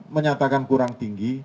menyatakan kurang tinggi